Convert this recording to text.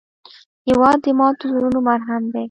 هېواد د ماتو زړونو مرهم دی.